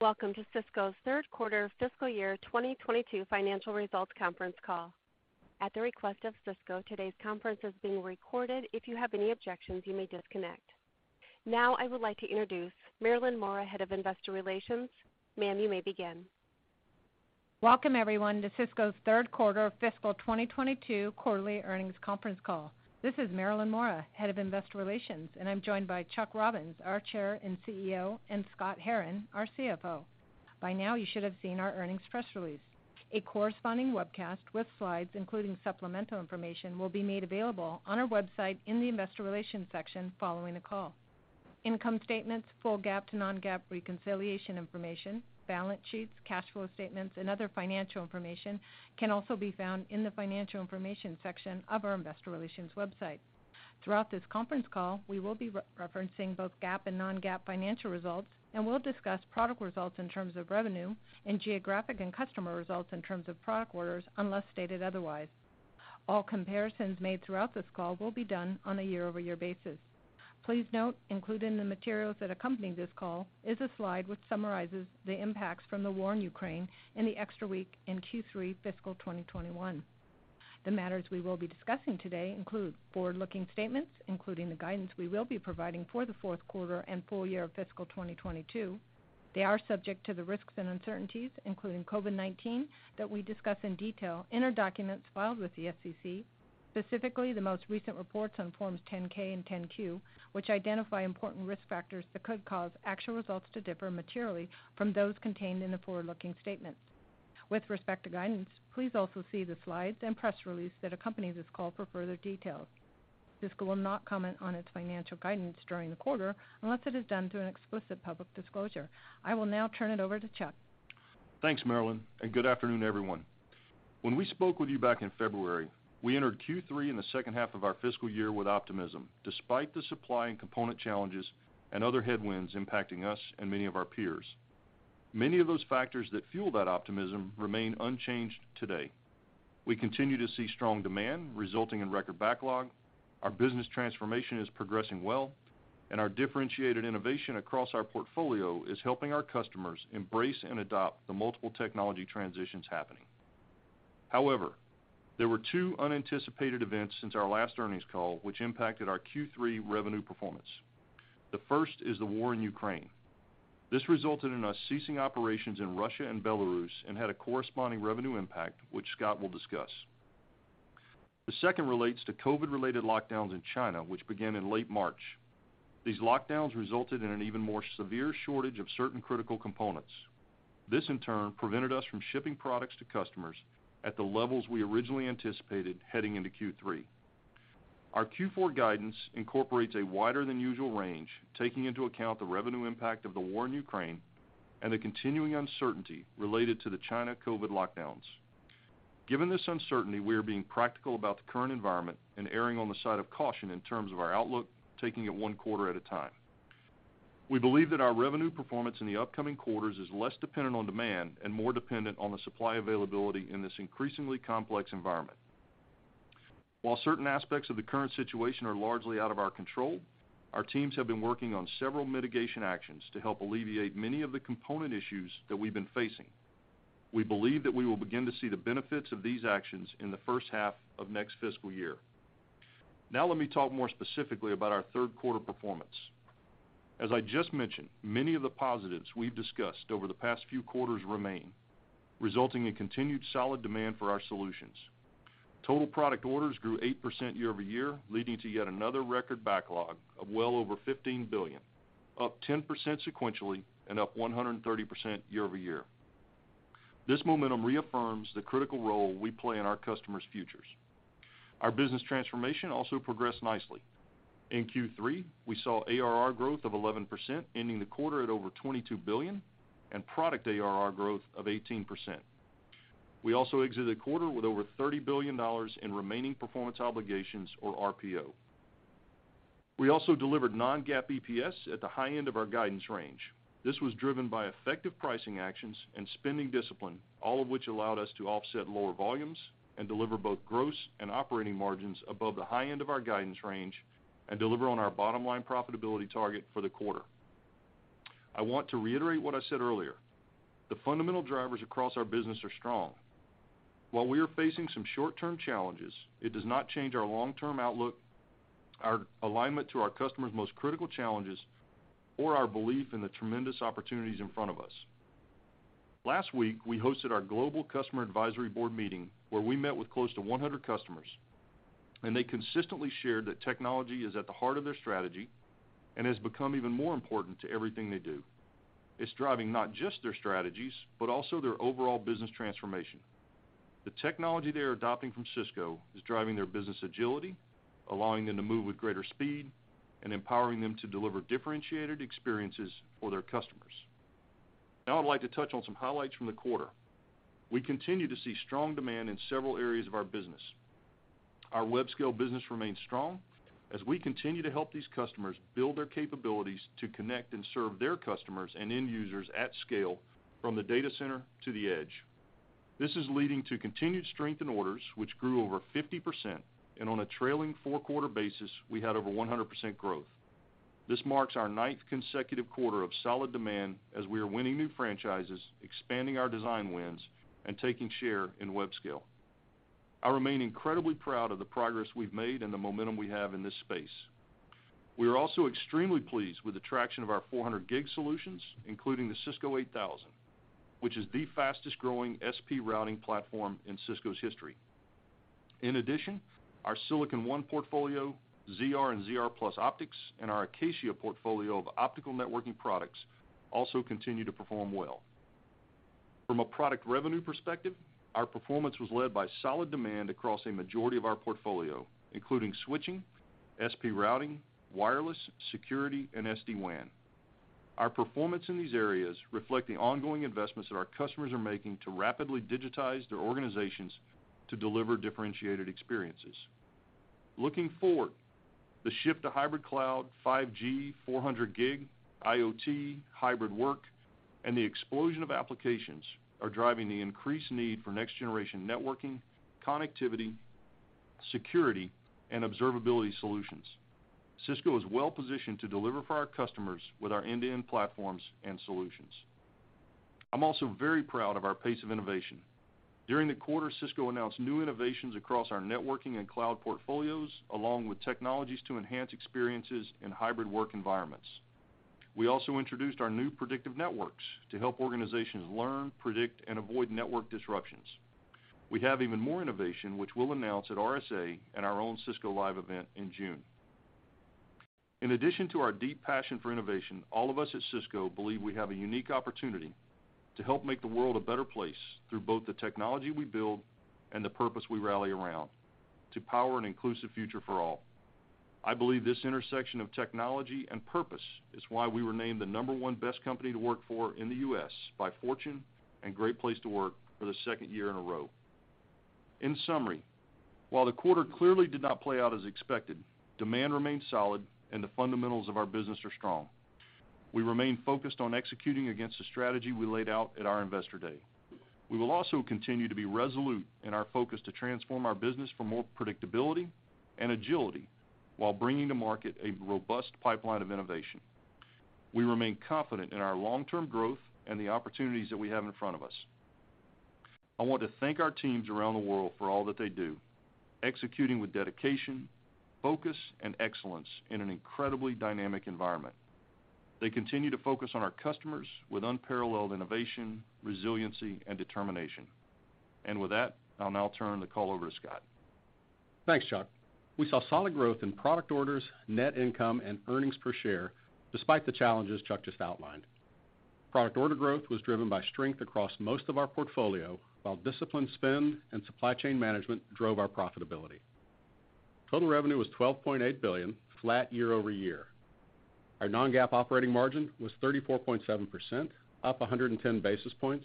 Welcome to Cisco's third quarter fiscal year 2022 financial results conference call. At the request of Cisco, today's conference is being recorded. If you have any objections, you may disconnect. Now, I would like to introduce Marilyn Mora, Head of Investor Relations. Ma'am, you may begin. Welcome, everyone, to Cisco's third quarter fiscal 2022 quarterly earnings conference call. This is Marilyn Mora, Head of Investor Relations, and I'm joined by Chuck Robbins, our Chair and CEO, and Scott Herren, our CFO. By now, you should have seen our earnings press release. A corresponding webcast with slides, including supplemental information, will be made available on our website in the Investor Relations section following the call. Income statements, full GAAP to non-GAAP reconciliation information, balance sheets, cash flow statements, and other financial information can also be found in the Financial Information section of our Investor Relations website. Throughout this conference call, we will be referencing both GAAP and non-GAAP financial results, and we'll discuss product results in terms of revenue and geographic and customer results in terms of product orders, unless stated otherwise. All comparisons made throughout this call will be done on a year-over-year basis. Please note, included in the materials that accompany this call is a slide which summarizes the impacts from the war in Ukraine and the extra week in Q3 fiscal 2021. The matters we will be discussing today include forward-looking statements, including the guidance we will be providing for the fourth quarter and full year of fiscal 2022. They are subject to the risks and uncertainties, including COVID-19, that we discuss in detail in our documents filed with the SEC, specifically the most recent reports on forms 10-K and 10-Q, which identify important risk factors that could cause actual results to differ materially from those contained in the forward-looking statements. With respect to guidance, please also see the slides and press release that accompany this call for further details. Cisco will not comment on its financial guidance during the quarter unless it is done through an explicit public disclosure. I will now turn it over to Chuck. Thanks, Marilyn, and good afternoon, everyone. When we spoke with you back in February, we entered Q3 in the second half of our fiscal year with optimism, despite the supply and component challenges and other headwinds impacting us and many of our peers. Many of those factors that fuel that optimism remain unchanged today. We continue to see strong demand resulting in record backlog. Our business transformation is progressing well, and our differentiated innovation across our portfolio is helping our customers embrace and adopt the multiple technology transitions happening. However, there were two unanticipated events since our last earnings call, which impacted our Q3 revenue performance. The first is the war in Ukraine. This resulted in us ceasing operations in Russia and Belarus and had a corresponding revenue impact, which Scott will discuss. The second relates to COVID-related lockdowns in China, which began in late March. These lockdowns resulted in an even more severe shortage of certain critical components. This, in turn, prevented us from shipping products to customers at the levels we originally anticipated heading in the Q3. Our Q4 guidance incorporates a wider than usual range, taking into account the revenue impact of the war in Ukraine and the continuing uncertainty related to the China COVID lockdowns. Given this uncertainty, we are being practical about the current environment and erring on the side of caution in terms of our outlook, taking it one quarter at a time. We believe that our revenue performance in the upcoming quarters is less dependent on demand and more dependent on the supply availability in this increasingly complex environment. While certain aspects of the current situation are largely out of our control, our teams have been working on several mitigation actions to help alleviate many of the component issues that we've been facing. We believe that we will begin to see the benefits of these actions in the first half of next fiscal year. Now let me talk more specifically about our third quarter performance. As I just mentioned, many of the positives we've discussed over the past few quarters remain, resulting in continued solid demand for our solutions. Total product orders grew 8% year-over-year, leading to yet another record backlog of well over $15 billion, up 10% sequentially and up 130% year-over-year. This momentum reaffirms the critical role we play in our customers' futures. Our business transformation also progressed nicely. In Q3, we saw ARR growth of 11%, ending the quarter at over $22 billion and product ARR growth of 18%. We also exited the quarter with over $30 billion in remaining performance obligations or RPO. We also delivered non-GAAP EPS at the high end of our guidance range. This was driven by effective pricing actions and spending discipline, all of which allowed us to offset lower volumes and deliver both gross and operating margins above the high end of our guidance range and deliver on our bottom-line profitability target for the quarter. I want to reiterate what I said earlier. The fundamental drivers across our business are strong. While we are facing some short-term challenges, it does not change our long-term outlook, our alignment to our customers' most critical challenges, or our belief in the tremendous opportunities in front of us. Last week, we hosted our Global Customer Advisory Board meeting, where we met with close to 100 customers, and they consistently shared that technology is at the heart of their strategy and has become even more important to everything they do. It's driving not just their strategies, but also their overall business transformation. The technology they are adopting from Cisco is driving their business agility, allowing them to move with greater speed and empowering them to deliver differentiated experiences for their customers. Now I'd like to touch on some highlights from the quarter. We continue to see strong demand in several areas of our business. Our web scale business remains strong as we continue to help these customers build their capabilities to connect and serve their customers and end users at scale from the data center to the edge. This is leading to continued strength in orders, which grew over 50%, and on a trailing four-quarter basis, we had over 100% growth. This marks our ninth consecutive quarter of solid demand as we are winning new franchises, expanding our design wins, and taking share in web scale. I remain incredibly proud of the progress we've made and the momentum we have in this space. We are also extremely pleased with the traction of our 400 gig solutions, including the Cisco 8000, which is the fastest-growing SP routing platform in Cisco's history. In addition, our Silicon One portfolio, ZR and ZR+ optics, and our Acacia portfolio of optical networking products also continue to perform well. From a product revenue perspective, our performance was led by solid demand across a majority of our portfolio, including switching, SP routing, wireless, security, and SD-WAN. Our performance in these areas reflect the ongoing investments that our customers are making to rapidly digitize their organizations to deliver differentiated experiences. Looking forward, the shift to hybrid cloud, 5G, 400 gig, IoT, hybrid work, and the explosion of applications are driving the increased need for next-generation networking, connectivity, security, and observability solutions. Cisco is well-positioned to deliver for our customers with our end-to-end platforms and solutions. I'm also very proud of our pace of innovation. During the quarter, Cisco announced new innovations across our networking and cloud portfolios, along with technologies to enhance experiences in hybrid work environments. We also introduced our new predictive networks to help organizations learn, predict, and avoid network disruptions. We have even more innovation, which we'll announce at RSA and our own Cisco Live event in June. In addition to our deep passion for innovation, all of us at Cisco believe we have a unique opportunity to help make the world a better place through both the technology we build and the purpose we rally around, to power an inclusive future for all. I believe this intersection of technology and purpose is why we were named the number one best company to work for in the U.S. by Fortune and Great Place to Work for the second year in a row. In summary, while the quarter clearly did not play out as expected, demand remains solid, and the fundamentals of our business are strong. We remain focused on executing against the strategy we laid out at our Investor Day. We will also continue to be resolute in our focus to transform our business for more predictability and agility while bringing to market a robust pipeline of innovation. We remain confident in our long-term growth and the opportunities that we have in front of us. I want to thank our teams around the world for all that they do, executing with dedication, focus, and excellence in an incredibly dynamic environment. They continue to focus on our customers with unparalleled innovation, resiliency, and determination. With that, I'll now turn the call over to Scott. Thanks, Chuck. We saw solid growth in product orders, net income, and earnings per share, despite the challenges Chuck just outlined. Product order growth was driven by strength across most of our portfolio, while disciplined spend and supply chain management drove our profitability. Total revenue was $12.8 billion, flat year-over-year. Our non-GAAP operating margin was 34.7%, up 110 basis points,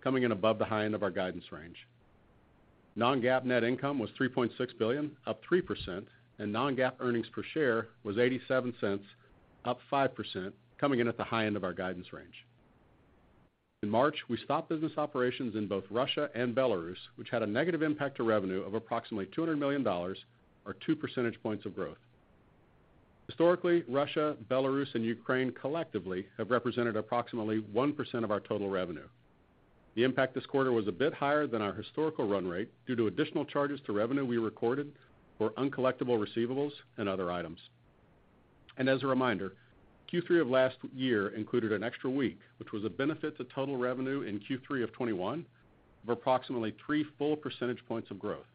coming in above the high end of our guidance range. non-GAAP net income was $3.6 billion, up 3%, and non-GAAP earnings per share was $0.87, up 5%, coming in at the high end of our guidance range. In March, we stopped business operations in both Russia and Belarus, which had a negative impact to revenue of approximately $200 million or two percentage points of growth. Historically, Russia, Belarus, and Ukraine collectively have represented approximately 1% of our total revenue. The impact this quarter was a bit higher than our historical run rate due to additional charges to revenue we recorded for uncollectible receivables and other items. As a reminder, Q3 of last year included an extra week, which was a benefit to total revenue in Q3 of 2021 of approximately three full percentage points of growth.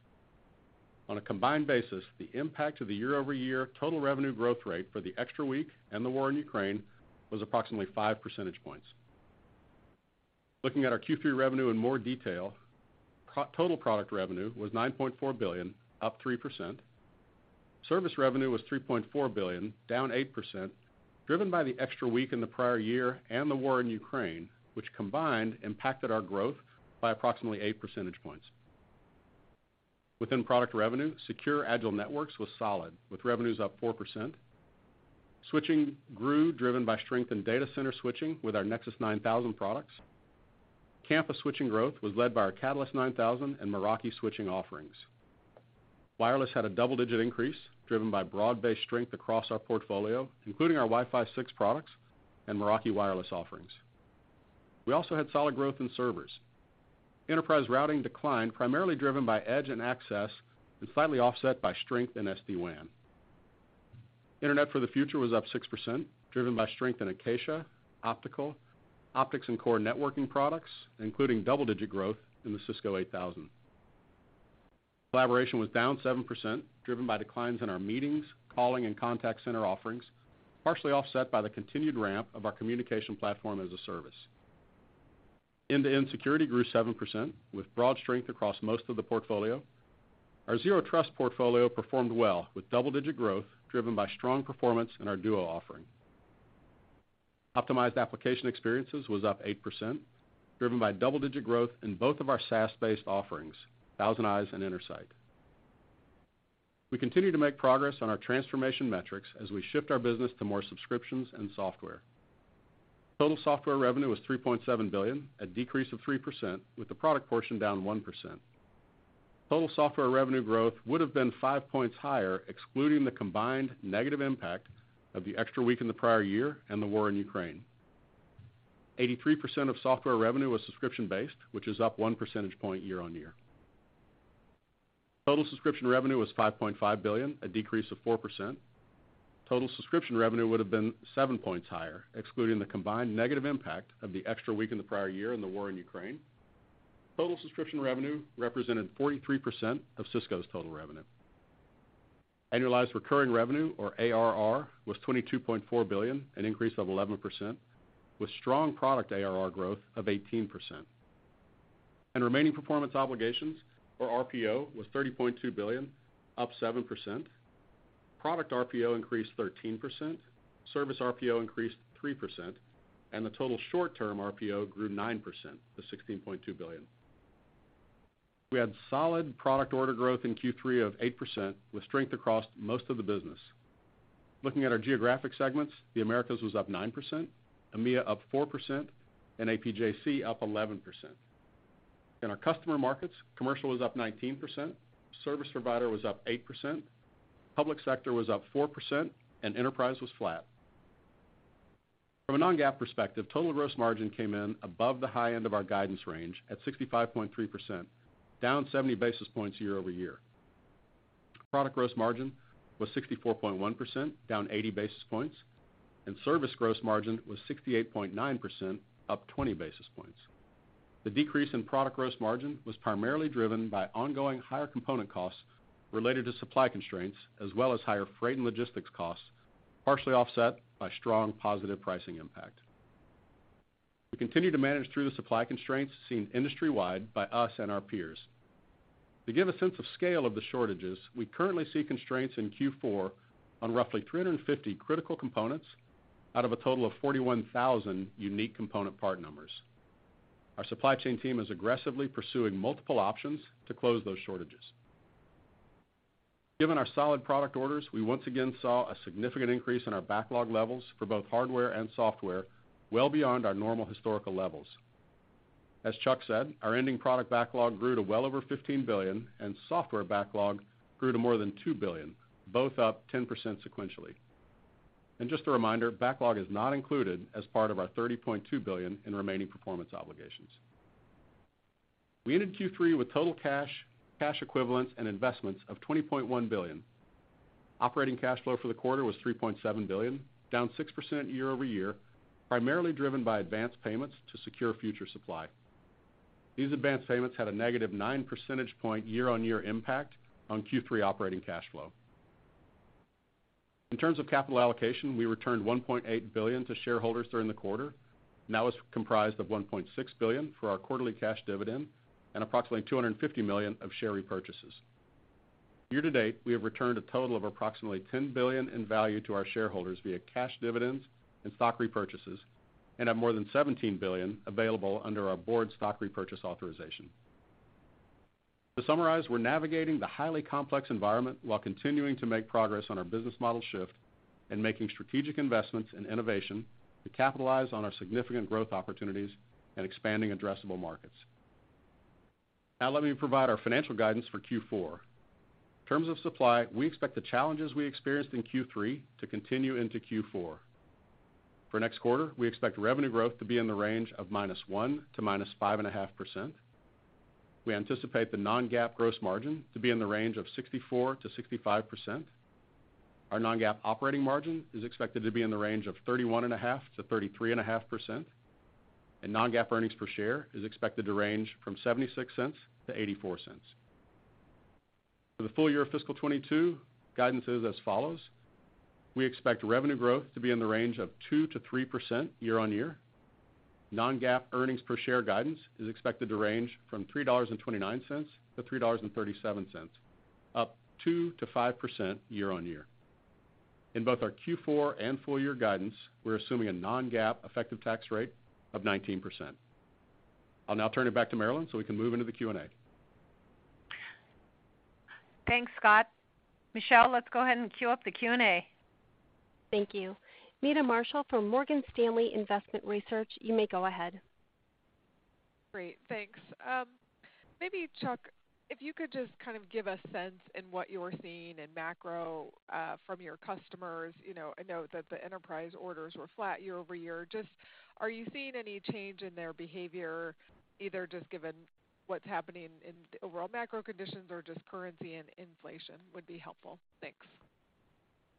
On a combined basis, the impact to the year-over-year total revenue growth rate for the extra week and the war in Ukraine was approximately five percentage points. Looking at our Q3 revenue in more detail, total product revenue was $9.4 billion, up 3%. Service revenue was $3.4 billion, down 8%, driven by the extra week in the prior year and the war in Ukraine, which combined impacted our growth by approximately eight percentage points. Within product revenue, Secure, Agile Networks was solid, with revenues up 4%. Switching grew, driven by strength in data center switching with our Nexus 9000 products. Campus switching growth was led by our Catalyst 9000 and Meraki switching offerings. Wireless had a double-digit increase, driven by broad-based strength across our portfolio, including our Wi-Fi 6 products and Meraki wireless offerings. We also had solid growth in servers. Enterprise routing declined, primarily driven by edge and access, and slightly offset by strength in SD-WAN. Internet for the Future was up 6%, driven by strength in Acacia, optical, optics and core networking products, including double-digit growth in the Cisco 8000. Collaboration was down 7%, driven by declines in our meetings, calling, and contact center offerings, partially offset by the continued ramp of our Communication Platform as a Service. End-to-end security grew 7%, with broad strength across most of the portfolio. Our Zero Trust portfolio performed well, with double-digit growth driven by strong performance in our Duo offering. Optimized application experiences was up 8%, driven by double-digit growth in both of our SaaS-based offerings, ThousandEyes and Intersight. We continue to make progress on our transformation metrics as we shift our business to more subscriptions and software. Total software revenue was $3.7 billion, a decrease of 3%, with the product portion down 1%. Total software revenue growth would have been five points higher, excluding the combined negative impact of the extra week in the prior year and the war in Ukraine. 83% of software revenue was subscription-based, which is up one percentage point year-on-year. Total subscription revenue was $5.5 billion, a decrease of 4%. Total subscription revenue would have been seven points higher, excluding the combined negative impact of the extra week in the prior year and the war in Ukraine. Total subscription revenue represented 43% of Cisco's total revenue. Annualized recurring revenue, or ARR, was $22.4 billion, an increase of 11%, with strong product ARR growth of 18%. Remaining performance obligations, or RPO, was $30.2 billion, up 7%. Product RPO increased 13%, service RPO increased 3%, and the total short-term RPO grew 9% to $16.2 billion. We had solid product order growth in Q3 of 8%, with strength across most of the business. Looking at our geographic segments, the Americas was up 9%, EMEA up 4%, and APJC up 11%. In our customer markets, commercial was up 19%, service provider was up 8%, public sector was up 4%, and enterprise was flat. From a non-GAAP perspective, total gross margin came in above the high end of our guidance range at 65.3%, down 70 basis points year over year. Product gross margin was 64.1%, down 80 basis points, and service gross margin was 68.9%, up 20 basis points. The decrease in product gross margin was primarily driven by ongoing higher component costs related to supply constraints, as well as higher freight and logistics costs, partially offset by strong positive pricing impact. We continue to manage through the supply constraints seen industry-wide by us and our peers. To give a sense of scale of the shortages, we currently see constraints in Q4 on roughly 350 critical components out of a total of 41,000 unique component part numbers. Our supply chain team is aggressively pursuing multiple options to close those shortages. Given our solid product orders, we once again saw a significant increase in our backlog levels for both hardware and software, well beyond our normal historical levels. As Chuck said, our ending product backlog grew to well over $15 billion, and software backlog grew to more than $2 billion, both up 10% sequentially. Just a reminder, backlog is not included as part of our $30.2 billion in remaining performance obligations. We ended Q3 with total cash equivalents and investments of $20.1 billion. Operating cash flow for the quarter was $3.7 billion, down 6% year-over-year, primarily driven by advanced payments to secure future supply. These advanced payments had a negative nine percentage points year-on-year impact on Q3 operating cash flow. In terms of capital allocation, we returned $1.8 billion to shareholders during the quarter. That was comprised of $1.6 billion for our quarterly cash dividend and approximately $250 million of share repurchases. Year to date, we have returned a total of approximately $10 billion in value to our shareholders via cash dividends and stock repurchases and have more than $17 billion available under our board stock repurchase authorization. To summarize, we're navigating the highly complex environment while continuing to make progress on our business model shift and making strategic investments in innovation to capitalize on our significant growth opportunities and expanding addressable markets. Now let me provide our financial guidance for Q4. In terms of supply, we expect the challenges we experienced in Q3 to continue into Q4. For next quarter, we expect revenue growth to be in the range of -1%--5.5%. We anticipate the non-GAAP gross margin to be in the range of 64%-65%. Our non-GAAP operating margin is expected to be in the range of 31.5%-33.5%. non-GAAP earnings per share is expected to range from $0.76-$0.84. For the full year of fiscal 2022, guidance is as follows. We expect revenue growth to be in the range of 2%-3% year-on-year. non-GAAP earnings per share guidance is expected to range from $3.29-$3.37, up 2%-5% year-on-year. In both our Q4 and full-year guidance, we're assuming a non-GAAP effective tax rate of 19%. I'll now turn it back to Marilyn so we can move into the Q&A. Thanks, Scott. Michelle, let's go ahead and queue up the Q&A. Thank you. Meta Marshall from Morgan Stanley Investment Research, you may go ahead. Great. Thanks. Maybe Chuck, if you could just kind of give a sense in what you're seeing in macro, from your customers. You know, I know that the enterprise orders were flat year-over-year. Just are you seeing any change in their behavior, either just given what's happening in the overall macro conditions or just currency and inflation would be helpful.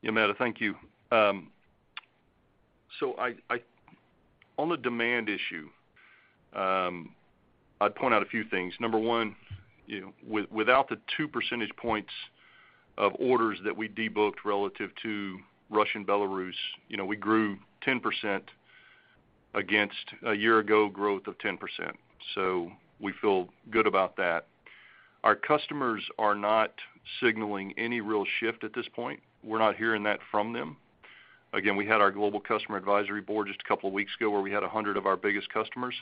Thanks. Yeah, Meta, thank you. On the demand issue, I'd point out a few things. Number one, you know, without the two percentage points of orders that we de-booked relative to Russia and Belarus, you know, we grew 10% against a year-ago growth of 10%. We feel good about that. Our customers are not signaling any real shift at this point. We're not hearing that from them. Again, we had our Global Customer Advisory Board just a couple of weeks ago where we had 100 of our biggest customers,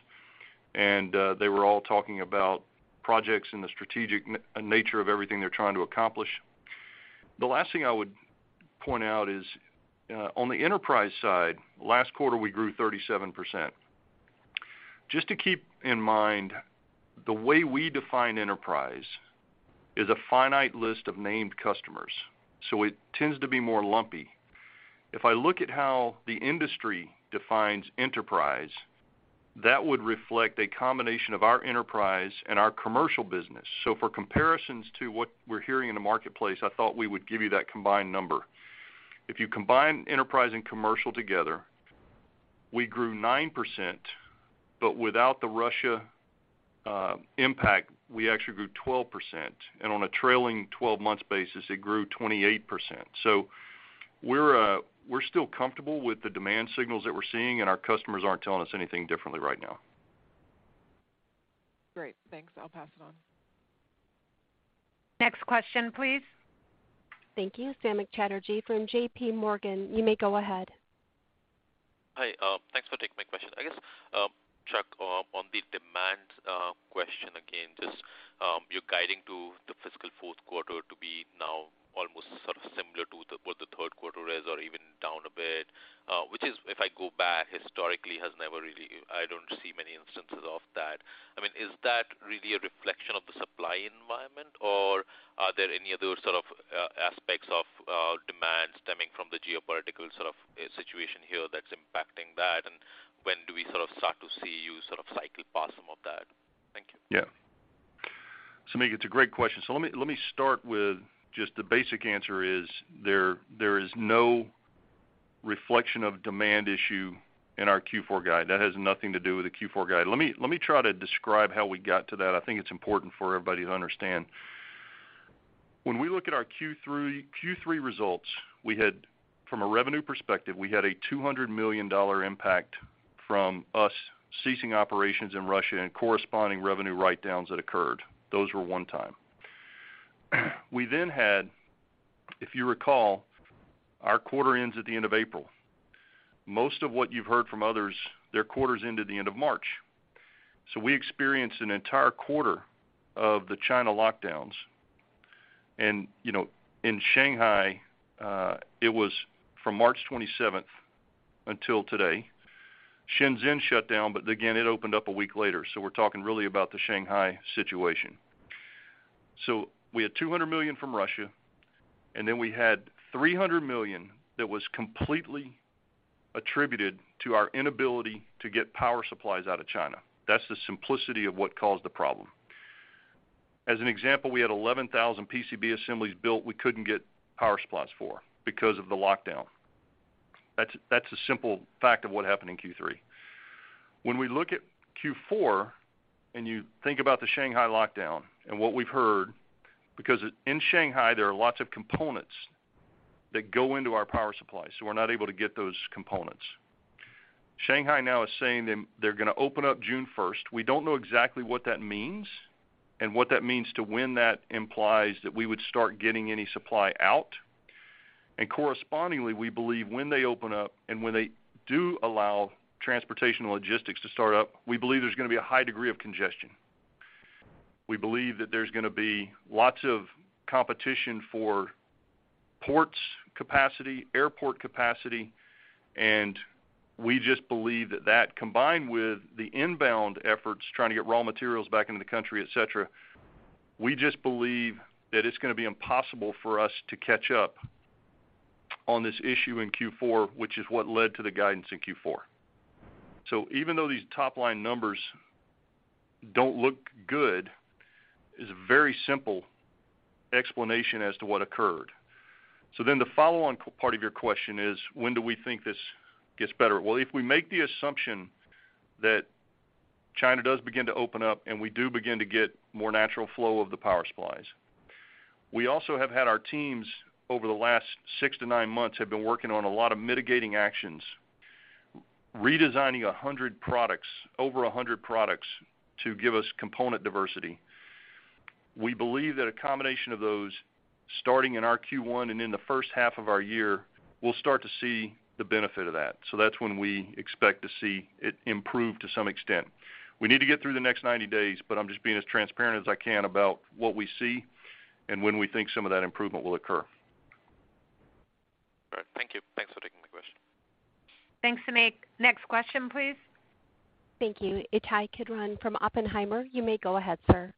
and they were all talking about projects and the strategic nature of everything they're trying to accomplish. The last thing I would point out is on the enterprise side, last quarter we grew 37%. Just to keep in mind, the way we define enterprise is a finite list of named customers, so it tends to be more lumpy. If I look at how the industry defines enterprise, that would reflect a combination of our enterprise and our commercial business. For comparisons to what we're hearing in the marketplace, I thought we would give you that combined number. If you combine enterprise and commercial together, we grew 9%, but without the Russia impact, we actually grew 12%. On a trailing twelve months basis, it grew 28%. We're still comfortable with the demand signals that we're seeing, and our customers aren't telling us anything differently right now. Great. Thanks. I'll pass it on. Next question, please. Thank you. Samik Chatterjee from JPMorgan. You may go ahead. Hi, thanks for taking my question. I guess, Chuck, on the demand question again, just, you're guiding to the fiscal fourth quarter to be now almost sort of similar to what the third quarter is or even down a bit, which is, if I go back historically, has never really, I don't see many instances of that. I mean, is that really a reflection of the supply environment, or are there any other sort of aspects of demand stemming from the geopolitical sort of situation here that's impacting that? And when do we sort of start to see you sort of cycle past some of that? Thank you. Yeah. Samik, it's a great question. Let me start with just the basic answer is there is no reflection of demand issue in our Q4 guide. That has nothing to do with the Q4 guide. Let me try to describe how we got to that. I think it's important for everybody to understand. When we look at our Q3 results, we had, from a revenue perspective, we had a $200 million impact from us ceasing operations in Russia and corresponding revenue write-downs that occurred. Those were one time. We then had, if you recall, our quarter ends at the end of April. Most of what you've heard from others, their quarters end at the end of March. We experienced an entire quarter of the China lockdowns. You know, in Shanghai, it was from March 27th until today. Shenzhen shut down, but again, it opened up a week later, so we're talking really about the Shanghai situation. We had $200 million from Russia, and then we had $300 million that was completely attributed to our inability to get power supplies out of China. That's the simplicity of what caused the problem. As an example, we had 11,000 PCB assemblies built we couldn't get power supplies for because of the lockdown. That's a simple fact of what happened in Q3. When we look at Q4, and you think about the Shanghai lockdown and what we've heard, because in Shanghai, there are lots of components that go into our power supply, so we're not able to get those components. Shanghai now is saying they're gonna open up June 1st. We don't know exactly what that means and what that means to when that implies that we would start getting any supply out. Correspondingly, we believe when they open up and when they do allow transportation logistics to start up, we believe there's gonna be a high degree of congestion. We believe that there's gonna be lots of competition for ports capacity, airport capacity, and we just believe that that combined with the inbound efforts, trying to get raw materials back into the country, et cetera, we just believe that it's gonna be impossible for us to catch up on this issue in Q4, which is what led to the guidance in Q4. Even though these top-line numbers don't look good, it's a very simple explanation as to what occurred. Then the follow-on part of your question is, when do we think this gets better? Well, if we make the assumption that China does begin to open up and we do begin to get more natural flow of the power supplies, we also have had our teams over the last six-nine months have been working on a lot of mitigating actions, redesigning 100 products, over 100 products to give us component diversity. We believe that a combination of those starting in our Q1 and in the first half of our year, we'll start to see the benefit of that. That's when we expect to see it improve to some extent. We need to get through the next 90 days, but I'm just being as transparent as I can about what we see and when we think some of that improvement will occur. All right. Thank you. Thanks for taking my question. Thanks, Samik. Next question, please. Thank you. Ittai Kidron from Oppenheimer. You may go ahead, sir.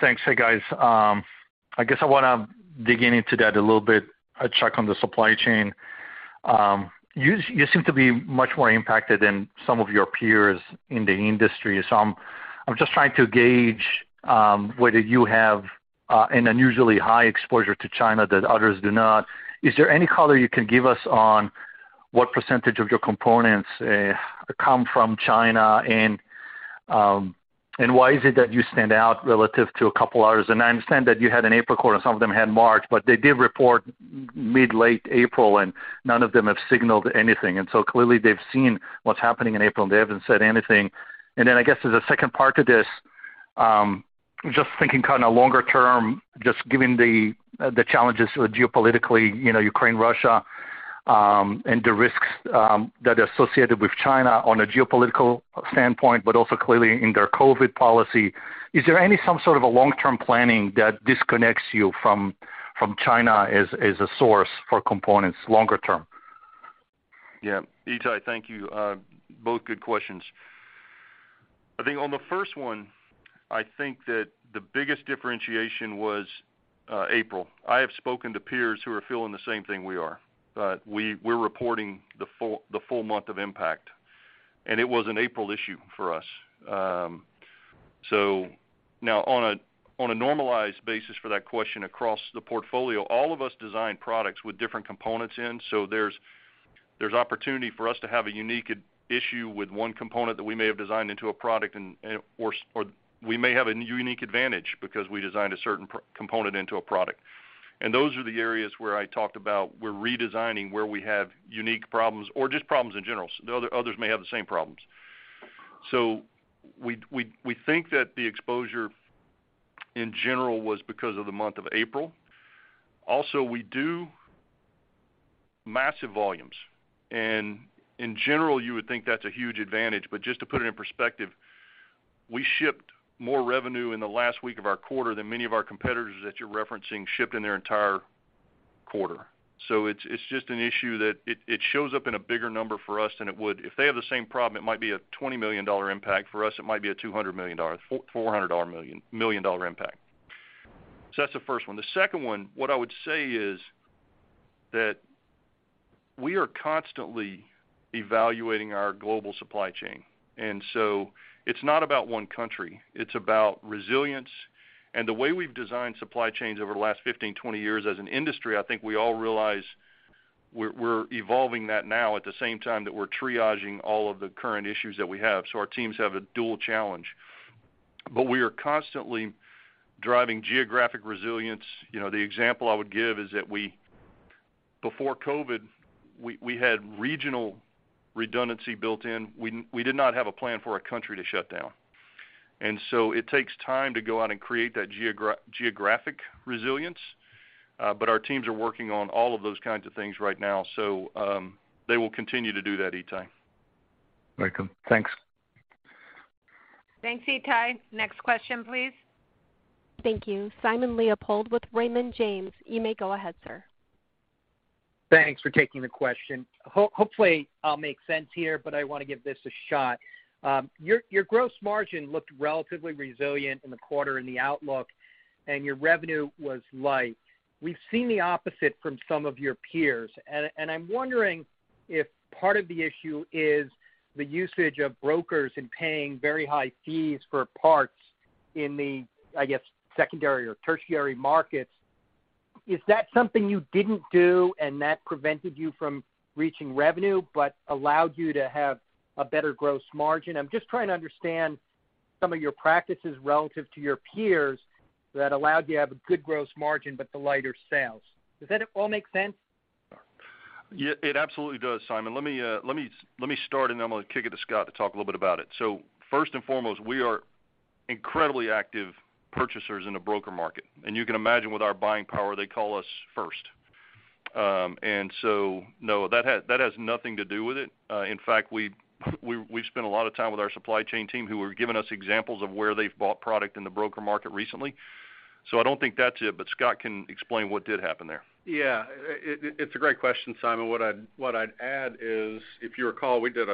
Thanks. Hey, guys. I guess I wanna dig into that a little bit, Chuck, on the supply chain. You seem to be much more impacted than some of your peers in the industry. I'm just trying to gauge whether you have an unusually high exposure to China that others do not. Is there any color you can give us on what percentage of your components come from China? Why is it that you stand out relative to a couple others? I understand that you had an April quarter, some of them had March, but they did report mid, late April, and none of them have signaled anything. Clearly they've seen what's happening in April, and they haven't said anything. I guess there's a second part to this. Just thinking kind of longer term, just given the challenges geopolitically, you know, Ukraine, Russia, and the risks that are associated with China on a geopolitical standpoint, but also clearly in their COVID policy. Is there any sort of a long-term planning that disconnects you from China as a source for components longer term? Yeah. Ittai, thank you. Both good questions. I think on the first one, I think that the biggest differentiation was April. I have spoken to peers who are feeling the same thing we are. We're reporting the full month of impact, and it was an April issue for us. So now on a normalized basis for that question across the portfolio, all of us design products with different components in, so there's opportunity for us to have a unique issue with one component that we may have designed into a product and or we may have a unique advantage because we designed a certain component into a product. Those are the areas where I talked about we're redesigning where we have unique problems or just problems in general. Others may have the same problems. We think that the exposure in general was because of the month of April. Also, we do massive volumes, and in general, you would think that's a huge advantage, but just to put it in perspective, we shipped more revenue in the last week of our quarter than many of our competitors that you're referencing shipped in their entire quarter. It's just an issue that it shows up in a bigger number for us than it would. If they have the same problem, it might be a $20 million impact. For us, it might be a $200 million, $400 million impact. That's the first one. The second one, what I would say is that we are constantly evaluating our global supply chain. It's not about one country, it's about resilience. The way we've designed supply chains over the last 15, 20 years as an industry, I think we all realize we're evolving that now at the same time that we're triaging all of the current issues that we have. Our teams have a dual challenge, but we are constantly driving geographic resilience. You know, the example I would give is that we before COVID had regional redundancy built in. We did not have a plan for a country to shut down. It takes time to go out and create that geographic resilience. But our teams are working on all of those kinds of things right now, they will continue to do that, Ittai. Very cool. Thanks. Thanks, Ittai. Next question, please. Thank you. Simon Leopold with Raymond James. You may go ahead, sir. Thanks for taking the question. Hopefully, I'll make sense here, but I wanna give this a shot. Your gross margin looked relatively resilient in the quarter in the outlook, and your revenue was light. We've seen the opposite from some of your peers. I'm wondering if part of the issue is the usage of brokers and paying very high fees for parts in the, I guess, secondary or tertiary markets. Is that something you didn't do and that prevented you from reaching revenue but allowed you to have a better gross margin? I'm just trying to understand some of your practices relative to your peers that allowed you to have a good gross margin but the lighter sales. Does that all make sense? Yeah, it absolutely does, Simon. Let me start and then I'm gonna kick it to Scott to talk a little bit about it. First and foremost, we are incredibly active purchasers in the broker market. You can imagine with our buying power, they call us first. No, that has nothing to do with it. In fact, we've spent a lot of time with our supply chain team who have given us examples of where they've bought product in the broker market recently. I don't think that's it, but Scott can explain what did happen there. Yeah. It's a great question, Simon. What I'd add is, if you recall, we did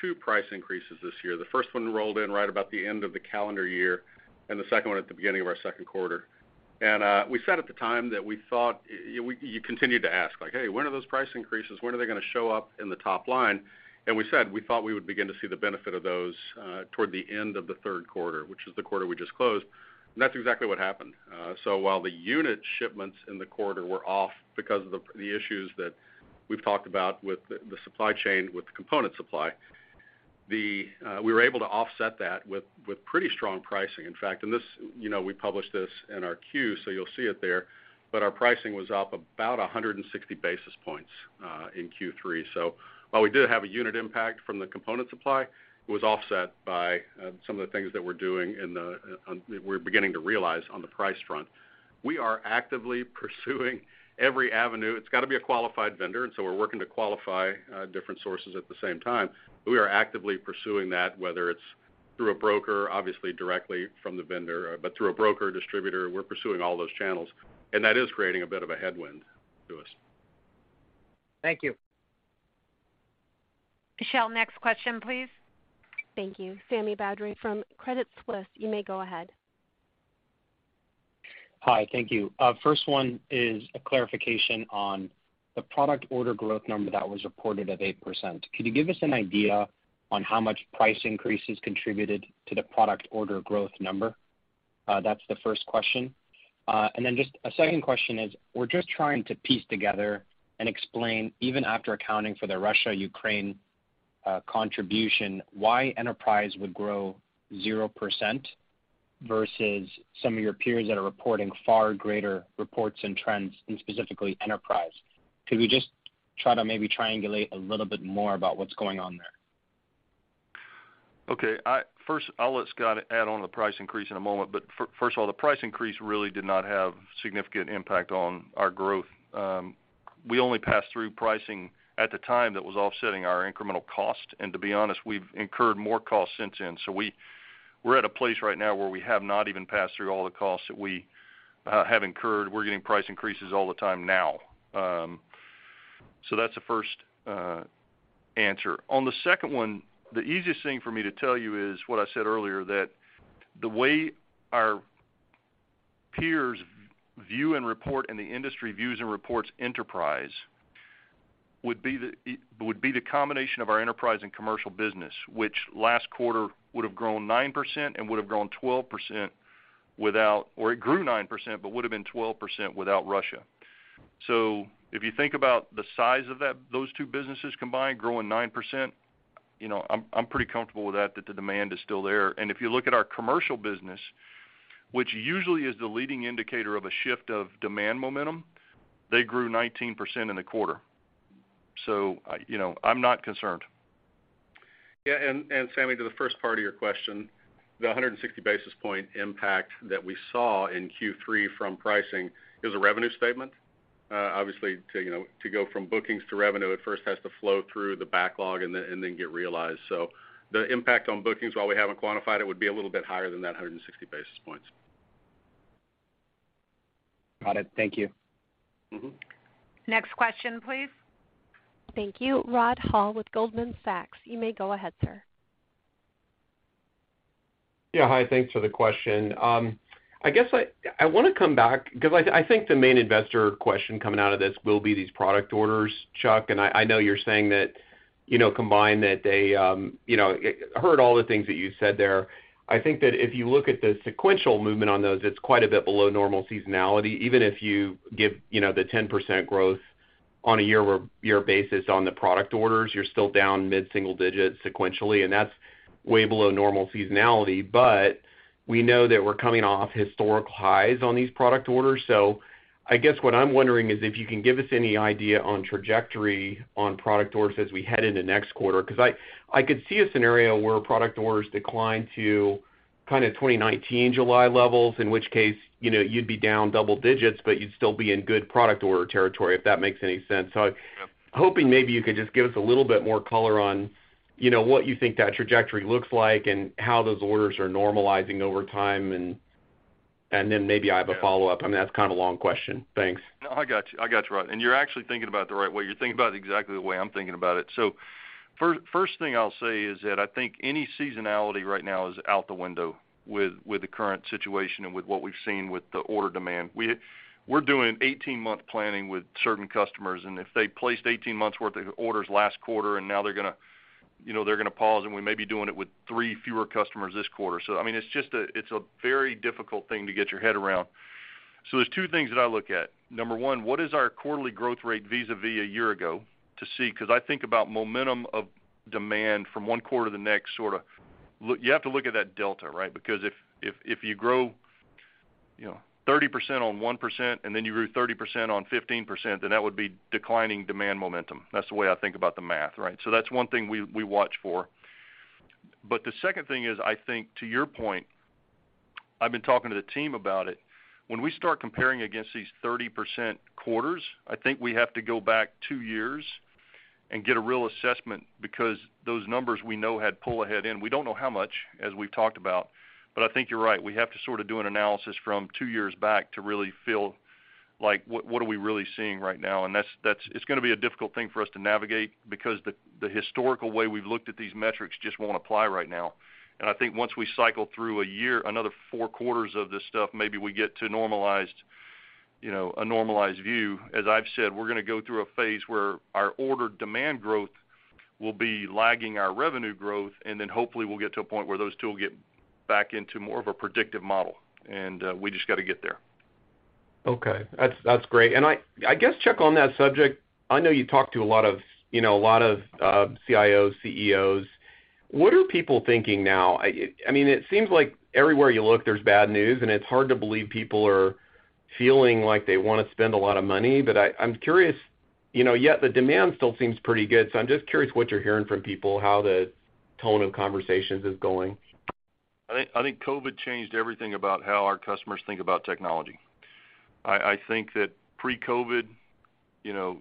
two price increases this year. The first one rolled in right about the end of the calendar year and the second one at the beginning of our second quarter. We said at the time that we thought you continued to ask, like, "Hey, when are those price increases? When are they gonna show up in the top line?" We said we thought we would begin to see the benefit of those toward the end of the third quarter, which is the quarter we just closed. That's exactly what happened. While the unit shipments in the quarter were off because of the issues that we've talked about with the supply chain, with the component supply, we were able to offset that with pretty strong pricing, in fact. This, you know, we published this in our queue, so you'll see it there. Our pricing was up about 160 basis points in Q3. While we did have a unit impact from the component supply, it was offset by some of the things that we're doing that we're beginning to realize on the price front. We are actively pursuing every avenue. It's got to be a qualified vendor, and so we're working to qualify different sources at the same time. We are actively pursuing that, whether it's through a broker, obviously directly from the vendor, but through a broker, distributor. We're pursuing all those channels, and that is creating a bit of a headwind to us. Thank you. Michelle, next question, please. Thank you. Sami Badri from Credit Suisse. You may go ahead. Hi. Thank you. First one is a clarification on the product order growth number that was reported at 8%. Could you give us an idea on how much price increases contributed to the product order growth number? That's the first question. And then just a second question is, we're just trying to piece together and explain, even after accounting for the Russia, Ukraine contribution, why enterprise would grow 0% versus some of your peers that are reporting far greater reports and trends in specifically enterprise. Could we try to maybe triangulate a little bit more about what's going on there. Okay. First, I'll let Scott add on the price increase in a moment, but first of all, the price increase really did not have significant impact on our growth. We only passed through pricing at the time that was offsetting our incremental cost. To be honest, we've incurred more costs since then. We're at a place right now where we have not even passed through all the costs that we have incurred. We're getting price increases all the time now. That's the first answer. On the second one, the easiest thing for me to tell you is what I said earlier, that the way our peers view and report, and the industry views and reports enterprise would be the combination of our enterprise and commercial business, which last quarter would have grown 9% and would have grown 12% without. Or it grew 9%, but would have been 12% without Russia. If you think about the size of that, those two businesses combined growing 9%, you know, I'm pretty comfortable with that the demand is still there. If you look at our commercial business, which usually is the leading indicator of a shift of demand momentum, they grew 19% in the quarter. You know, I'm not concerned. Yeah. Sammy, to the first part of your question, the 160 basis point impact that we saw in Q3 from pricing is a revenue statement. Obviously, you know, to go from bookings to revenue, it first has to flow through the backlog and then get realized. The impact on bookings, while we haven't quantified, it would be a little bit higher than that 160 basis points. Got it. Thank you. Mm-hmm. Next question, please. Thank you. Rod Hall with Goldman Sachs. You may go ahead, sir. Yeah, hi. Thanks for the question. I guess I wanna come back 'cause I think the main investor question coming out of this will be these product orders, Chuck, and I know you're saying that, you know, combined, that they heard all the things that you said there. I think that if you look at the sequential movement on those, it's quite a bit below normal seasonality. Even if you give the 10% growth on a year-over-year basis on the product orders, you're still down mid-single-digit sequentially, and that's way below normal seasonality. We know that we're coming off historical highs on these product orders. I guess what I'm wondering is if you can give us any idea on trajectory on product orders as we head into next quarter. 'Cause I could see a scenario where product orders decline to kind of 2019 July levels, in which case, you know, you'd be down double digits, but you'd still be in good product order territory, if that makes any sense. Hoping maybe you could just give us a little bit more color on, you know, what you think that trajectory looks like and how those orders are normalizing over time. And then maybe I have a follow-up. I mean, that's kind of a long question. Thanks. No, I got you. I got you, Rod. You're actually thinking about it the right way. You're thinking about it exactly the way I'm thinking about it. First thing I'll say is that I think any seasonality right now is out the window with the current situation and with what we've seen with the order demand. We're doing 18-month planning with certain customers, and if they placed 18 months worth of orders last quarter and now they're gonna, you know, they're gonna pause and we may be doing it with 3 fewer customers this quarter. I mean, it's just a very difficult thing to get your head around. There's two things that I look at. Number one, what is our quarterly growth rate vis-a-vis a year ago to see? Because I think about momentum of demand from one quarter to the next, sorta. You have to look at that delta, right? Because if you grow, you know, 30% on 1% and then you grew 30% on 15%, then that would be declining demand momentum. That's the way I think about the math, right? That's one thing we watch for. The second thing is, I think to your point, I've been talking to the team about it. When we start comparing against these 30% quarters, I think we have to go back 2 years and get a real assessment because those numbers we know had pull ahead, and we don't know how much, as we've talked about. I think you're right. We have to sort of do an analysis from two years back to really feel like what are we really seeing right now. That's. It's gonna be a difficult thing for us to navigate because the historical way we've looked at these metrics just won't apply right now. I think once we cycle through a year, another four quarters of this stuff, maybe we get to normalized, you know, a normalized view. As I've said, we're gonna go through a phase where our order demand growth will be lagging our revenue growth, and then hopefully we'll get to a point where those two will get back into more of a predictive model. We just gotta get there. Okay. That's great. I guess, Chuck, on that subject, I know you talk to a lot of, you know, CIOs, CEOs. What are people thinking now? I mean, it seems like everywhere you look, there's bad news, and it's hard to believe people are feeling like they wanna spend a lot of money. I'm curious, you know, yet the demand still seems pretty good, so I'm just curious what you're hearing from people, how the tone of conversations is going. I think COVID changed everything about how our customers think about technology. I think that pre-COVID, you know,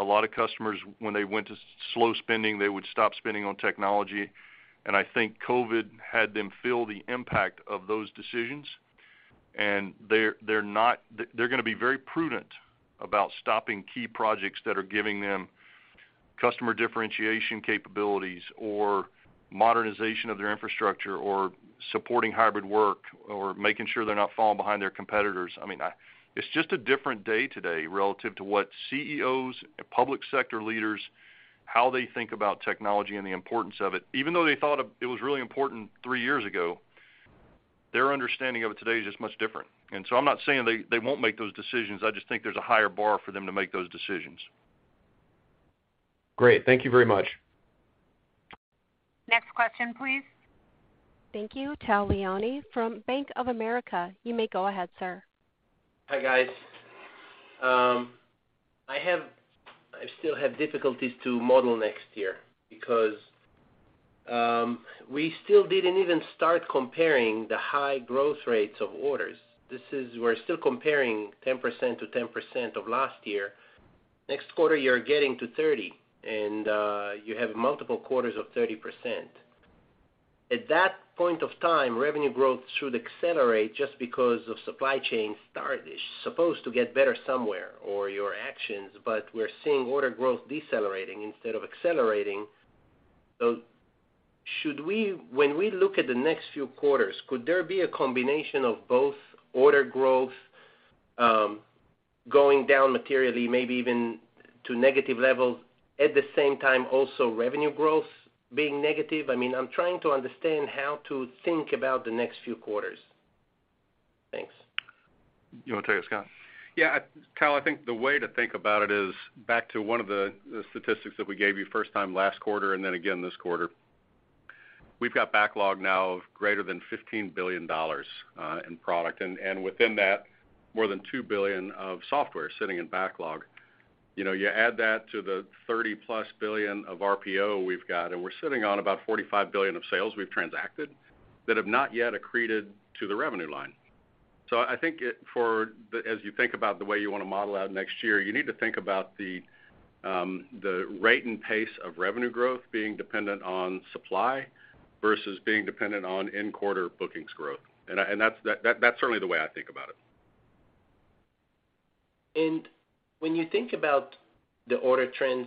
a lot of customers, when they went to slow spending, they would stop spending on technology. I think COVID had them feel the impact of those decisions, and they're gonna be very prudent about stopping key projects that are giving them customer differentiation capabilities or modernization of their infrastructure or supporting hybrid work or making sure they're not falling behind their competitors. I mean. It's just a different day today relative to how CEOs and public sector leaders think about technology and the importance of it. Even though they thought it was really important three years ago, their understanding of it today is just much different. I'm not saying they won't make those decisions. I just think there's a higher bar for them to make those decisions. Great. Thank you very much. Next question, please. Thank you. Tal Liani from Bank of America, you may go ahead, sir. Hi, guys. I still have difficulties to model next year because we still didn't even start comparing the high growth rates of orders. We're still comparing 10% to 10% of last year. Next quarter, you're getting to 30%, and you have multiple quarters of 30%. At that point of time, revenue growth should accelerate just because of supply chain start. It's supposed to get better somewhere or your actions, but we're seeing order growth decelerating instead of accelerating. When we look at the next few quarters, could there be a combination of both order growth going down materially, maybe even to negative levels, at the same time, also revenue growth being negative? I mean, I'm trying to understand how to think about the next few quarters. Thanks. You wanna take it, Scott? Yeah. Tal, I think the way to think about it is back to one of the statistics that we gave you first time last quarter and then again this quarter. We've got backlog now of greater than $15 billion in product, and within that, more than $2 billion of software sitting in backlog. You know, you add that to the $30+ billion of RPO we've got, and we're sitting on about $45 billion of sales we've transacted that have not yet accreted to the revenue line. I think as you think about the way you wanna model out next year, you need to think about the rate and pace of revenue growth being dependent on supply versus being dependent on in-quarter bookings growth. That's certainly the way I think about it. When you think about the order trends,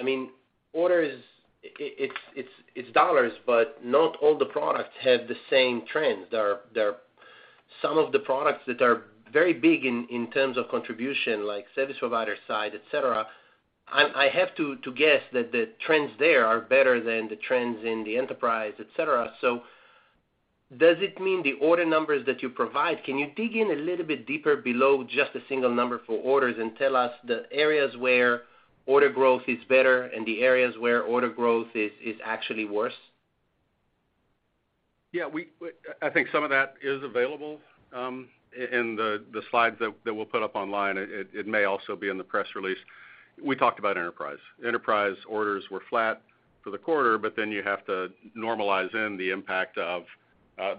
I mean, orders, it's dollars, but not all the products have the same trends. There are some of the products that are very big in terms of contribution, like service provider side, et cetera. I have to guess that the trends there are better than the trends in the enterprise, et cetera. Does it mean the order numbers that you provide, can you dig in a little bit deeper below just a single number for orders and tell us the areas where order growth is better and the areas where order growth is actually worse? Yeah. I think some of that is available in the slides that we'll put up online. It may also be in the press release. We talked about enterprise. Enterprise orders were flat for the quarter, but then you have to normalize for the impact of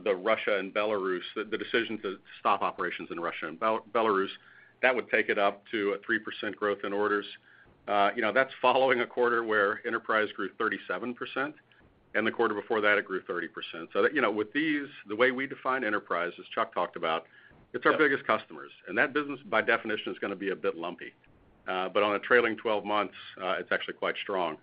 the Russia and Belarus decision to stop operations in Russia and Belarus. That would take it up to a 3% growth in orders. You know, that's following a quarter where enterprise grew 37%, and the quarter before that it grew 30%. You know, with the way we define enterprise, as Chuck talked about, it's our biggest customers, and that business by definition is gonna be a bit lumpy. On a trailing twelve months, it's actually quite strong.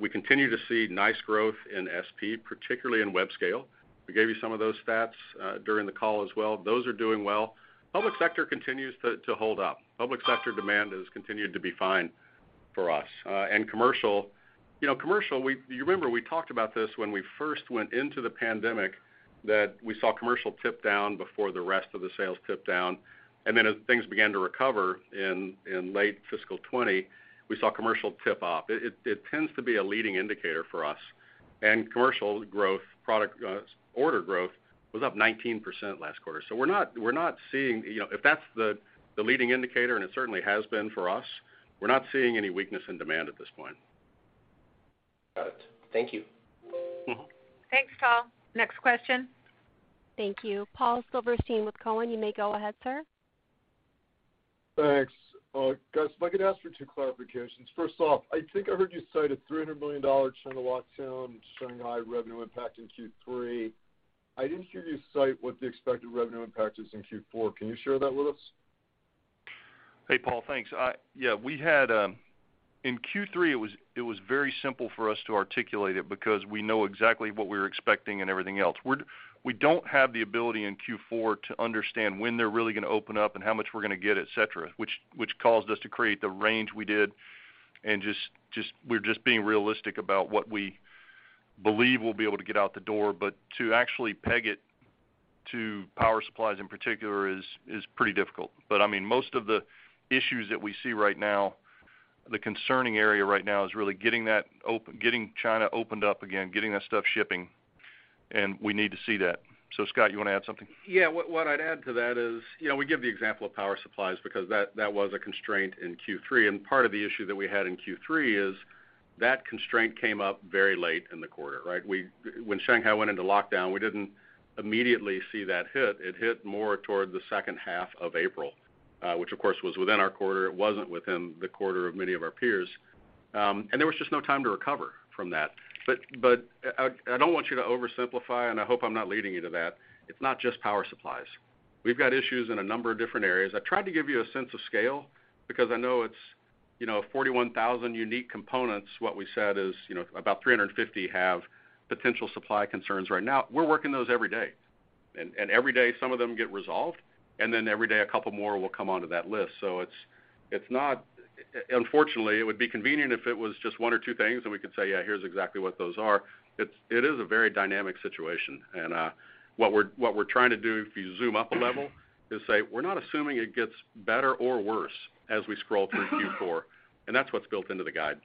We continue to see nice growth in SP, particularly in web scale. We gave you some of those stats during the call as well. Those are doing well. Public sector continues to hold up. Public sector demand has continued to be fine for us. And commercial, you know, commercial, you remember we talked about this when we first went into the pandemic, that we saw commercial tip down before the rest of the sales tip down, and then as things began to recover in late fiscal 2020, we saw commercial tip up. It tends to be a leading indicator for us. And commercial growth product order growth was up 19% last quarter. So we're not seeing, you know. If that's the leading indicator, and it certainly has been for us, we're not seeing any weakness in demand at this point. Got it. Thank you. Mm-hmm. Thanks, Tal. Next question. Thank you. Paul Silverstein with Cowen. You may go ahead, sir. Thanks. Guys, if I could ask for two clarifications. First off, I think I heard you cite a $300 million China lockdown, Shanghai revenue impact in Q3. I didn't hear you cite what the expected revenue impact is in Q4. Can you share that with us? Hey, Paul. Thanks. Yeah. We had in Q3 it was very simple for us to articulate it because we know exactly what we were expecting and everything else. We don't have the ability in Q4 to understand when they're really gonna open up and how much we're gonna get, et cetera, which caused us to create the range we did and just we're just being realistic about what we believe we'll be able to get out the door. To actually peg it to power supplies in particular is pretty difficult. I mean, most of the issues that we see right now, the concerning area right now is really getting China opened up again, getting that stuff shipping, and we need to see that. Scott, you wanna add something? Yeah. What I'd add to that is, you know, we give the example of power supplies because that was a constraint in Q3, and part of the issue that we had in Q3 is that constraint came up very late in the quarter, right? When Shanghai went into lockdown, we didn't immediately see that hit. It hit more toward the second half of April, which of course was within our quarter. It wasn't within the quarter of many of our peers, and there was just no time to recover from that. I don't want you to oversimplify, and I hope I'm not leading you to that. It's not just power supplies. We've got issues in a number of different areas. I tried to give you a sense of scale because I know it's, you know, 41,000 unique components. What we said is, you know, about 350 have potential supply concerns right now. We're working those every day. Every day some of them get resolved, and then every day a couple more will come onto that list. It's not unfortunately. It would be convenient if it was just one or two things and we could say, "Yeah, here's exactly what those are." It is a very dynamic situation, and what we're trying to do, if you zoom up a level, is say we're not assuming it gets better or worse as we scroll through Q4, and that's what's built into the guide.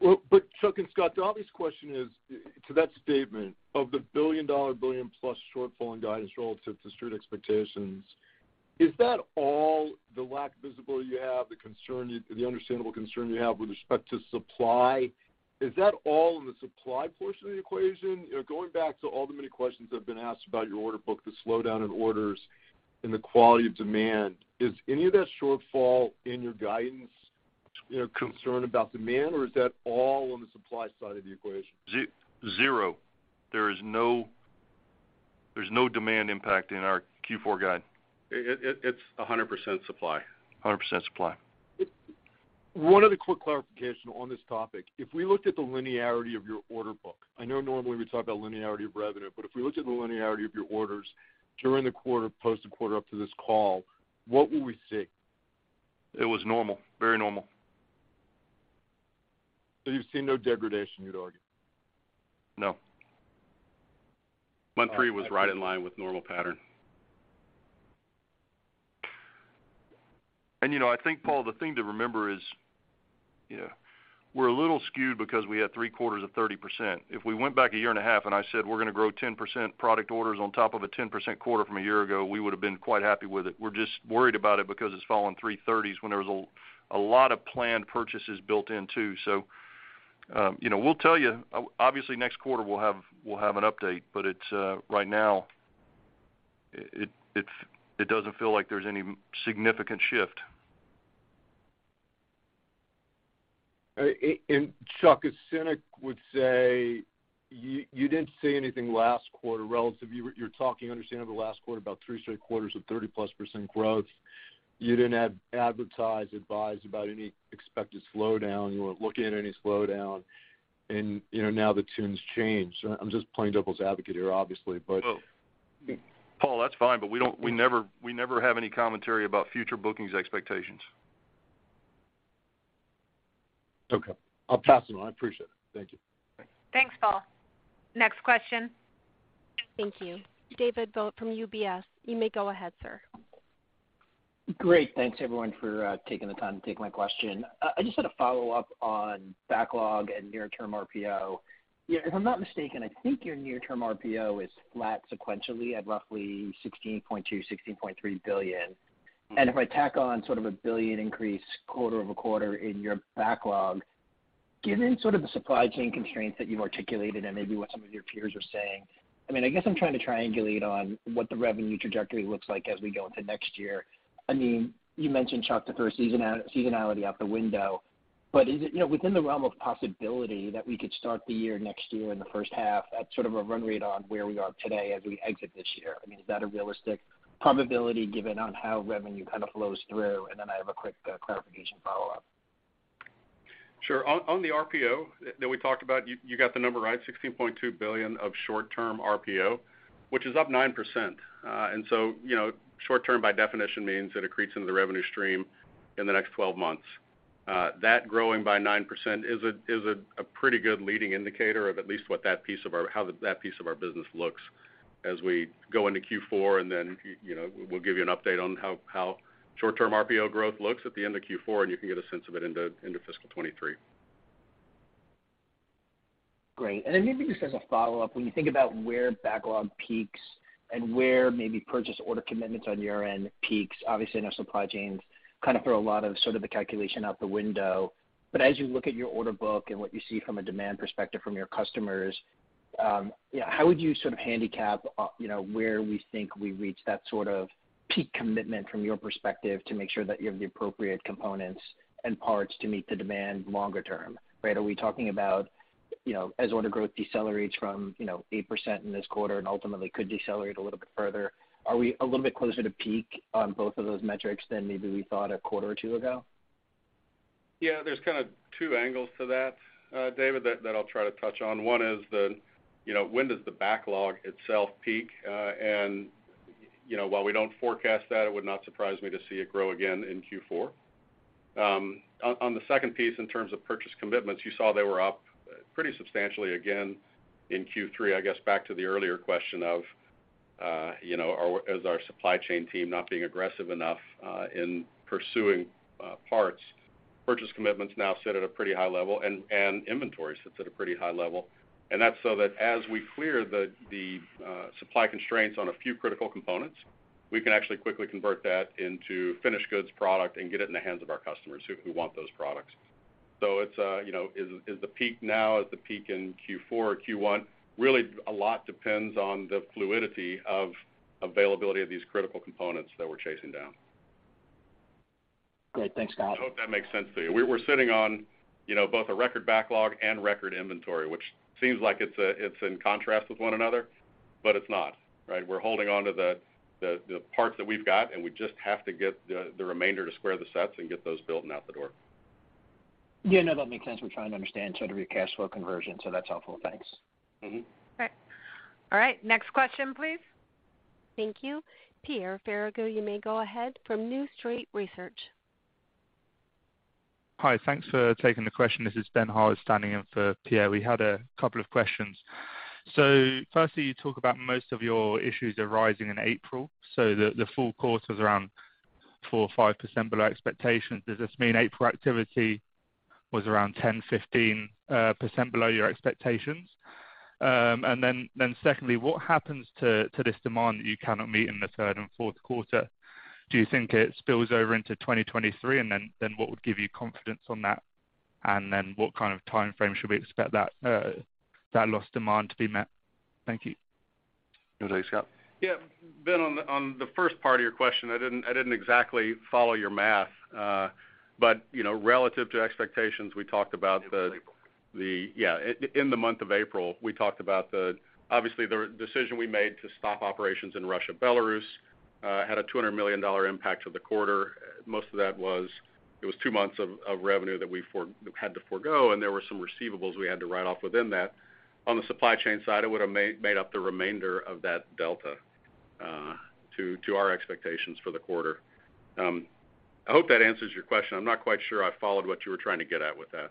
Well, Chuck and Scott, the obvious question is to that statement of the $1+ billion shortfall in guidance relative to street expectations, is that all the lack of visibility you have, the understandable concern you have with respect to supply? Is that all in the supply portion of the equation? You know, going back to all the many questions that have been asked about your order book, the slowdown in orders and the quality of demand, is any of that shortfall in your guidance, you know, concern about demand or is that all on the supply side of the equation? Zero. There's no demand impact in our Q4 guide. It's 100% supply. 100% supply. One other quick clarification on this topic. If we looked at the linearity of your order book, I know normally we talk about linearity of revenue, but if we looked at the linearity of your orders during the quarter, post the quarter up to this call, what will we see? It was normal, very normal. You've seen no degradation, you'd argue? No. Month three was right in line with normal pattern. You know, I think, Paul, the thing to remember is, you know, we're a little skewed because we had three quarters of 30%. If we went back a year and a half, and I said, "We're gonna grow 10% product orders on top of a 10% quarter from a year ago," we would have been quite happy with it. We're just worried about it because it's fallen three 30s when there was a lot of planned purchases built in too. You know, we'll tell you, obviously next quarter we'll have an update, but right now, it doesn't feel like there's any significant shift. Chuck, a cynic would say you didn't say anything last quarter relative. You were talking understandably last quarter about three straight quarters of 30%+ growth. You didn't advise about any expected slowdown. You weren't looking at any slowdown. You know, now the tune's changed. I'm just playing devil's advocate here, obviously. Well, Paul, that's fine, but we don't, we never have any commentary about future bookings expectations. Okay. I'll pass it on. I appreciate it. Thank you. Thanks. Thanks, Paul. Next question. Thank you. David Vogt from UBS. You may go ahead, sir. Great. Thanks, everyone, for taking the time to take my question. I just had a follow-up on backlog and near-term RPO. If I'm not mistaken, I think your near-term RPO is flat sequentially at roughly $16.2 billion-$16.3 billion. If I tack on sort of a $1 billion increase quarter-over-quarter in your backlog, given sort of the supply chain constraints that you've articulated and maybe what some of your peers are saying, I mean, I guess I'm trying to triangulate on what the revenue trajectory looks like as we go into next year. I mean, you mentioned, Chuck, seasonality out the window, but is it, you know, within the realm of possibility that we could start the year next year in the first half at sort of a run rate on where we are today as we exit this year? I mean, is that a realistic probability given on how revenue kind of flows through? I have a quick clarification follow-up. Sure. On the RPO that we talked about, you got the number right, $16.2 billion of short-term RPO, which is up 9%. You know, short-term by definition means that it converts into the revenue stream in the next 12 months. That growing by 9% is a pretty good leading indicator of at least what that piece of our business looks as we go into Q4. You know, we'll give you an update on how short-term RPO growth looks at the end of Q4, and you can get a sense of it into fiscal 2023. Great. Then maybe just as a follow-up, when you think about where backlog peaks and where maybe purchase order commitments on your end peaks, obviously, I know supply chains kind of throw a lot of sort of the calculation out the window. As you look at your order book and what you see from a demand perspective from your customers, you know, how would you sort of handicap, you know, where we think we reach that sort of peak commitment from your perspective to make sure that you have the appropriate components and parts to meet the demand longer term, right? Are we talking about, you know, as order growth decelerates from, you know, 8% in this quarter and ultimately could decelerate a little bit further, are we a little bit closer to peak on both of those metrics than maybe we thought a quarter or two ago? Yeah. There's kind of two angles to that, David, that I'll try to touch on. One is, you know, when does the backlog itself peak? You know, while we don't forecast that, it would not surprise me to see it grow again in Q4. On the second piece, in terms of purchase commitments, you saw they were up pretty substantially again in Q3. I guess back to the earlier question of, you know, is our supply chain team not being aggressive enough in pursuing parts. Purchase commitments now sit at a pretty high level and inventory sits at a pretty high level. that's so that as we clear the supply constraints on a few critical components, we can actually quickly convert that into finished goods product and get it in the hands of our customers who want those products. You know, is the peak now? Is the peak in Q4 or Q1? Really, a lot depends on the fluidity of availability of these critical components that we're chasing down. Great. Thanks, Scott. I hope that makes sense to you. We're sitting on, you know, both a record backlog and record inventory, which seems like it's in contrast with one another, but it's not, right? We're holding onto the parts that we've got, and we just have to get the remainder to square the sets and get those built and out the door. Yeah, no, that makes sense. We're trying to understand sort of your cash flow conversion, so that's helpful. Thanks. Mm-hmm. All right. Next question, please. Thank you. Pierre Ferragu, you may go ahead from New Street Research. Hi. Thanks for taking the question. This is Ben Harwood standing in for Pierre. We had a couple of questions Firstly, you talk about most of your issues arising in April. The full quarter's around 4% or 5% below expectations. Does this mean April activity was around 10%, 15% below your expectations? And then secondly, what happens to this demand that you cannot meet in the third and fourth quarter? Do you think it spills over into 2023? And then what would give you confidence on that? And then what kind of timeframe should we expect that lost demand to be met? Thank you. You want to take it, Scott? Yeah. Ben, on the first part of your question, I didn't exactly follow your math. But you know, relative to expectations, we talked about the. In April. Yeah. In the month of April, we talked about the. Obviously, the decision we made to stop operations in Russia, Belarus, had a $200 million impact to the quarter. Most of that was. It was two months of revenue that we had to forgo, and there were some receivables we had to write off within that. On the supply chain side, it would have made up the remainder of that delta to our expectations for the quarter. I hope that answers your question. I'm not quite sure I followed what you were trying to get at with that.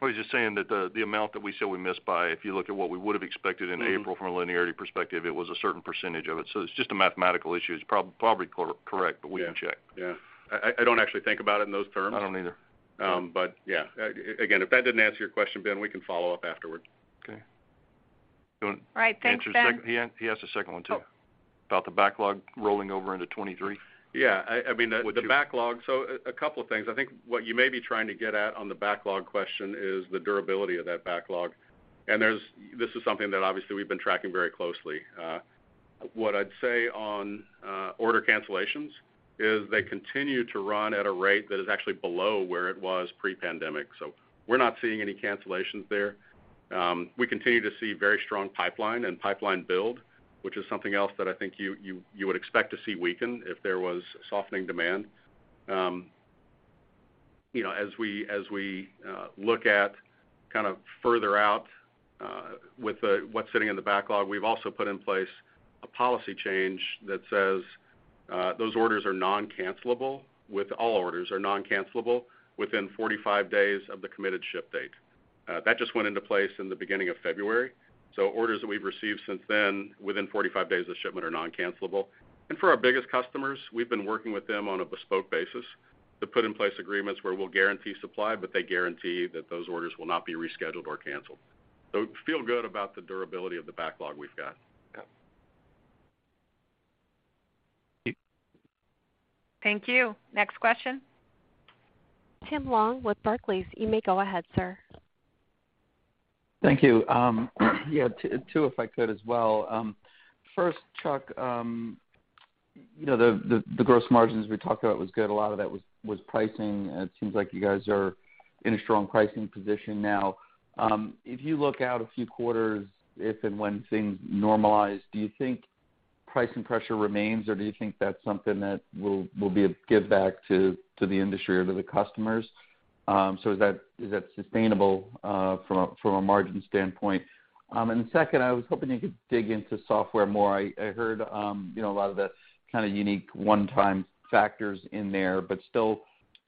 Well, he's just saying that the amount that we said we missed by, if you look at what we would have expected in April. Mm-hmm from a linearity perspective, it was a certain percentage of it, so it's just a mathematical issue. It's probably correct. Yeah We can check. Yeah. I don't actually think about it in those terms. I don't either. Yeah. Again, if that didn't answer your question, Ben, we can follow up afterward. Okay. All right. Thanks, Ben. He asked a second one, too. Oh. About the backlog rolling over into 2023. Yeah. I mean. Would you- The backlog. A couple of things. I think what you may be trying to get at on the backlog question is the durability of that backlog. This is something that obviously we've been tracking very closely. What I'd say on order cancellations is they continue to run at a rate that is actually below where it was pre-pandemic. We're not seeing any cancellations there. We continue to see very strong pipeline and pipeline build, which is something else that I think you would expect to see weaken if there was softening demand. You know, as we look at kind of further out, with what's sitting in the backlog, we've also put in place a policy change that says, all orders are non-cancellable within 45 days of the committed ship date. That just went into place in the beginning of February, so orders that we've received since then, within 45 days of shipment, are non-cancellable. For our biggest customers, we've been working with them on a bespoke basis to put in place agreements where we'll guarantee supply, but they guarantee that those orders will not be rescheduled or canceled. Feel good about the durability of the backlog we've got. Yeah. Thank you. Thank you. Next question. Tim Long with Barclays. You may go ahead, sir. Thank you. Yeah, two, if I could as well. First, Chuck, you know, the gross margins we talked about was good. A lot of that was pricing. It seems like you guys are in a strong pricing position now. If you look out a few quarters, if and when things normalize, do you think pricing pressure remains, or do you think that's something that will be a giveback to the industry or to the customers? Is that sustainable from a margin standpoint? Second, I was hoping you could dig into software more. I heard you know a lot of the kind of unique one-time factors in there. Still,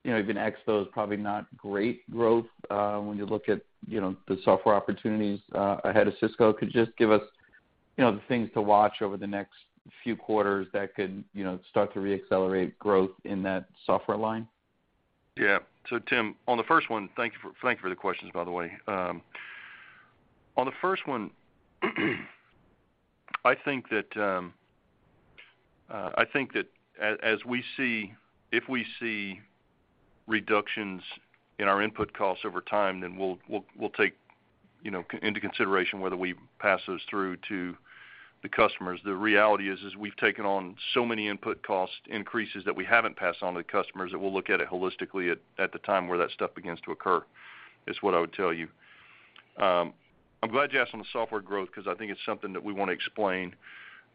you know, if you can exclude those, probably not great growth when you look at, you know, the software opportunities ahead of Cisco. Could you just give us, you know, the things to watch over the next few quarters that could, you know, start to reaccelerate growth in that software line? Tim, on the first one. Thank you for the questions, by the way. On the first one, I think that as we see, if we see reductions in our input costs over time, then we'll take, you know, into consideration whether we pass those through to the customers. The reality is we've taken on so many input cost increases that we haven't passed on to the customers, that we'll look at it holistically at the time where that stuff begins to occur, is what I would tell you. I'm glad you asked on the software growth because I think it's something that we wanna explain.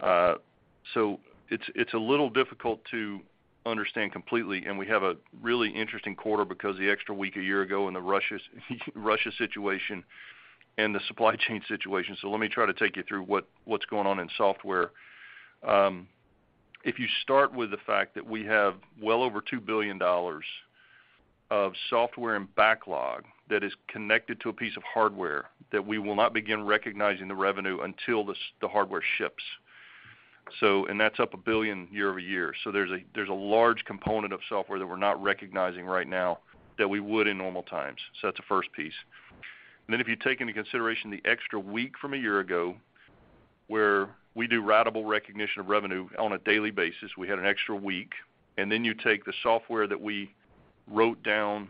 It's a little difficult to understand completely, and we have a really interesting quarter because the extra week a year ago and the Russia situation and the supply chain situation. Let me try to take you through what's going on in software. If you start with the fact that we have well over $2 billion of software and backlog that is connected to a piece of hardware that we will not begin recognizing the revenue until the hardware ships. That's up $1 billion year-over-year. There's a large component of software that we're not recognizing right now that we would in normal times. That's the first piece. If you take into consideration the extra week from a year ago, where we do ratable recognition of revenue on a daily basis, we had an extra week, and then you take the software that we wrote down,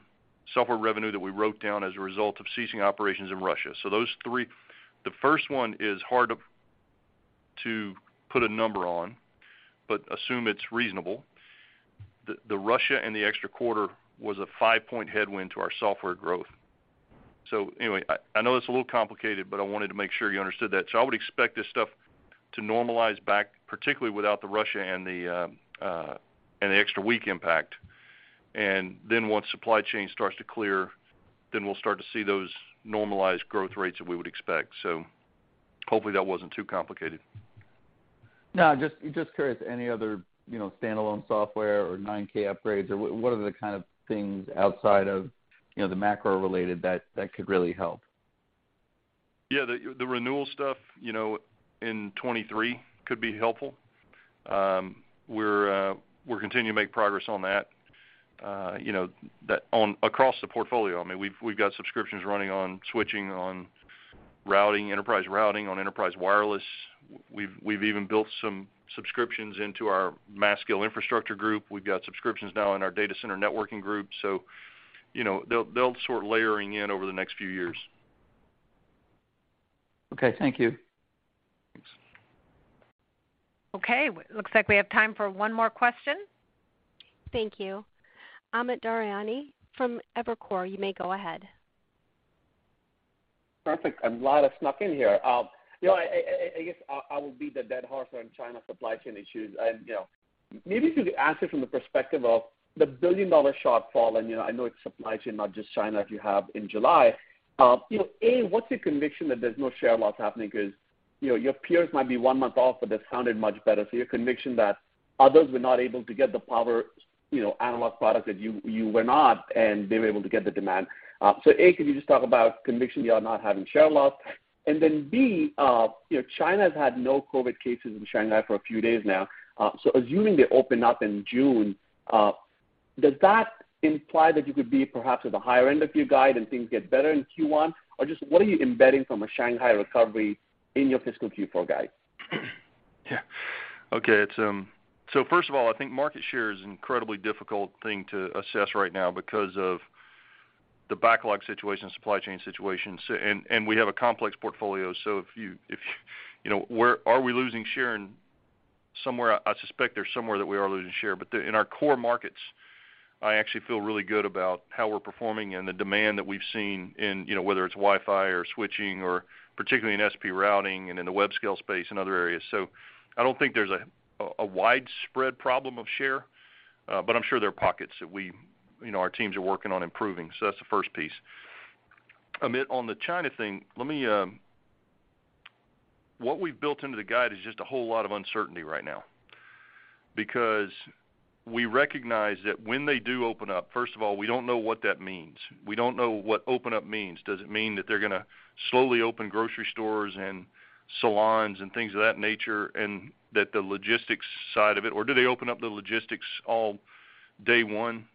software revenue that we wrote down as a result of ceasing operations in Russia. Those three, the first one is hard to put a number on, but assume it's reasonable. The Russia and the extra week was a five-point headwind to our software growth. Anyway, I know it's a little complicated, but I wanted to make sure you understood that. I would expect this stuff to normalize back, particularly without the Russia and the extra week impact. Once supply chain starts to clear, then we'll start to see those normalized growth rates that we would expect. Hopefully that wasn't too complicated. No, just curious, any other, you know, standalone software or Nexus 9000 upgrades or what are the kind of things outside of, you know, the macro related that could really help? Yeah, the renewal stuff, you know, in 2023 could be helpful. We're continuing to make progress on that, you know, across the portfolio. I mean, we've got subscriptions running on switching, on routing, enterprise routing, on enterprise wireless. We've even built some subscriptions into our mass scale infrastructure group. We've got subscriptions now in our data center networking group. You know, they'll start layering in over the next few years. Okay, thank you. Thanks. Okay, looks like we have time for one more question. Thank you. Amit Daryanani from Evercore, you may go ahead. Perfect. I'm glad I snuck in here. You know, I guess I will beat the dead horse on China supply chain issues. You know, maybe you could answer from the perspective of the billion-dollar shortfall. You know, I know it's supply chain, not just China, that you have in July. You know, A, what's your conviction that there's no share loss happening? 'Cause, you know, your peers might be one month off, but they sounded much better. Your conviction that others were not able to get the power, you know, analog product that you were not, and they were able to get the demand. A, could you just talk about conviction you are not having share loss? B, you know, China's had no COVID cases in Shanghai for a few days now, so assuming they open up in June, does that imply that you could be perhaps at the higher end of your guide and things get better in Q1? Or just what are you embedding from a Shanghai recovery in your fiscal Q4 guide? Yeah. Okay. It's First of all, I think market share is an incredibly difficult thing to assess right now because of the backlog situation, supply chain situation. We have a complex portfolio, so if you know where are we losing share somewhere. I suspect there's somewhere that we are losing share. But in our core markets, I actually feel really good about how we're performing and the demand that we've seen in, you know, whether it's Wi-Fi or switching or particularly in SP routing and in the web scale space and other areas. I don't think there's a widespread problem of share, but I'm sure there are pockets that we, you know, our teams are working on improving. That's the first piece. Amit, on the China thing, let me. What we've built into the guide is just a whole lot of uncertainty right now because we recognize that when they do open up, first of all, we don't know what that means. We don't know what open up means. Does it mean that they're gonna slowly open grocery stores and salons and things of that nature, and that the logistics side of it, or do they open up the logistics all day one?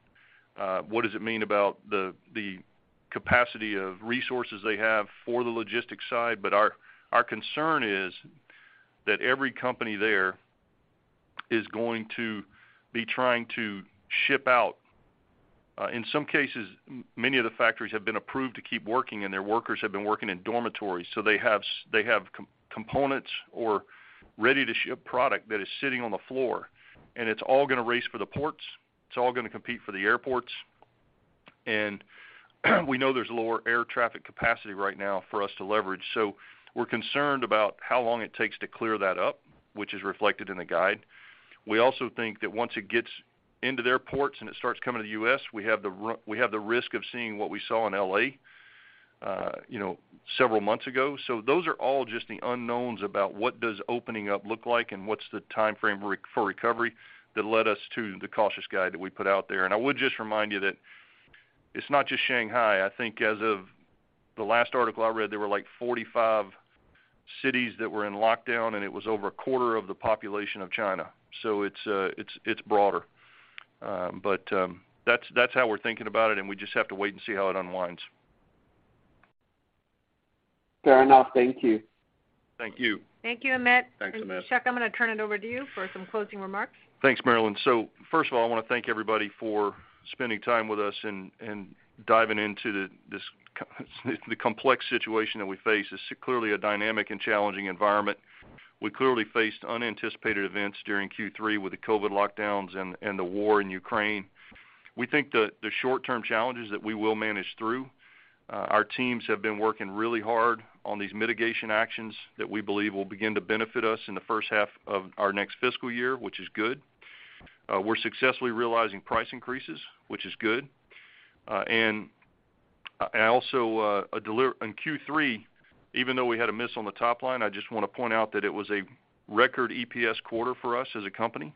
What does it mean about the capacity of resources they have for the logistics side? Our concern is that every company there is going to be trying to ship out. In some cases, many of the factories have been approved to keep working, and their workers have been working in dormitories, so they have components or ready-to-ship product that is sitting on the floor, and it's all gonna race for the ports. It's all gonna compete for the airports. We know there's lower air traffic capacity right now for us to leverage. We're concerned about how long it takes to clear that up, which is reflected in the guide. We also think that once it gets into their ports and it starts coming to the U.S., we have the risk of seeing what we saw in L.A., you know, several months ago. Those are all just the unknowns about what does opening up look like and what's the timeframe for recovery that led us to the cautious guide that we put out there. I would just remind you that it's not just Shanghai. I think as of the last article I read, there were, like, 45 cities that were in lockdown, and it was over a quarter of the population of China, so it's broader. That's how we're thinking about it, and we just have to wait and see how it unwinds. Fair enough. Thank you. Thank you. Thank you, Amit. Thanks, Amit. Chuck, I'm gonna turn it over to you for some closing remarks. Thanks, Marilyn. First of all, I wanna thank everybody for spending time with us and diving into the this the complex situation that we face. It's clearly a dynamic and challenging environment. We clearly faced unanticipated events during Q3 with the COVID lockdowns and the war in Ukraine. We think the short-term challenge is that we will manage through. Our teams have been working really hard on these mitigation actions that we believe will begin to benefit us in the first half of our next fiscal year, which is good. We're successfully realizing price increases, which is good. And also in Q3, even though we had a miss on the top line, I just wanna point out that it was a record EPS quarter for us as a company.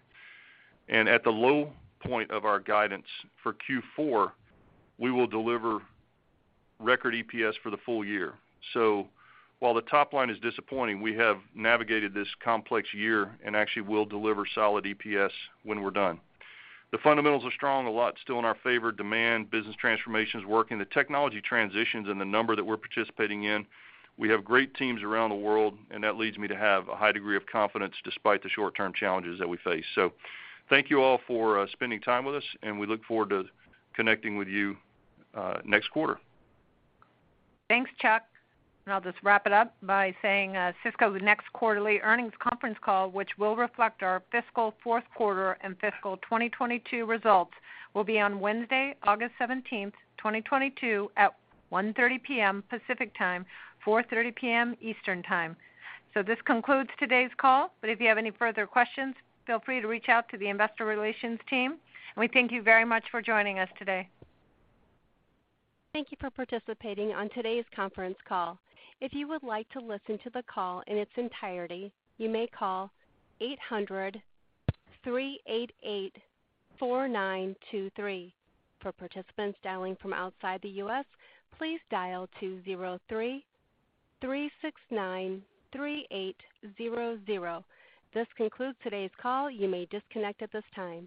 At the low point of our guidance for Q4, we will deliver record EPS for the full year. While the top line is disappointing, we have navigated this complex year and actually will deliver solid EPS when we're done. The fundamentals are strong, a lot still in our favor. Demand, business transformation is working, the technology transitions and the number that we're participating in. We have great teams around the world, and that leads me to have a high degree of confidence despite the short-term challenges that we face. Thank you all for spending time with us, and we look forward to connecting with you next quarter. Thanks, Chuck. I'll just wrap it up by saying, Cisco's next quarterly earnings conference call, which will reflect our fiscal fourth quarter and fiscal 2022 results, will be on Wednesday, August 17th, 2022 at 1:30 P.M. Pacific Time, 4:30 P.M. Eastern Time. This concludes today's call, but if you have any further questions, feel free to reach out to the investor relations team. We thank you very much for joining us today. Thank you for participating on today's conference call. If you would like to listen to the call in its entirety, you may call 800-388-4923. For participants dialing from outside the U.S., please dial 203-369-3800. This concludes today's call. You may disconnect at this time.